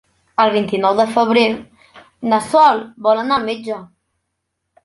El vint-i-nou de febrer na Sol vol anar al metge.